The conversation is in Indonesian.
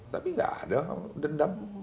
tapi enggak ada dendam